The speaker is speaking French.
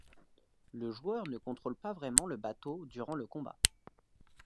Le joueur ne contrôle pas vraiment le bateau durant le combat.